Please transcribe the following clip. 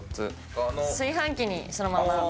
炊飯器にそのまま。